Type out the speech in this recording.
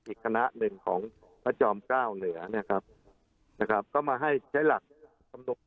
อีกคณะหนึ่งของพระจอมเก้าเหนือก็มาใช้ลักษณ์